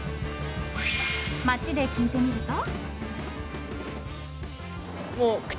街で聞いてみると。